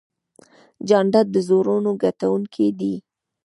جانداد د زړونو ګټونکی دی.